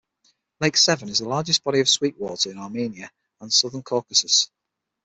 Lake Sevan is the largest body of sweet water in Armenia and Southern Caucasus.